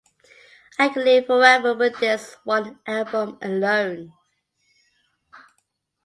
I could live forever with this one album alone.